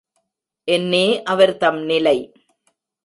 என்னே அவர் தம் நிலை.